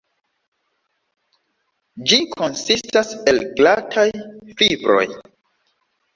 Ĝi konsistas el glataj fibroj.